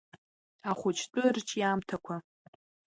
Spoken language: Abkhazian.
Ахәыҷтәы рҿиамҭақәа.